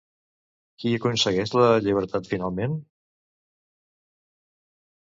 Qui aconsegueix la llibertat finalment?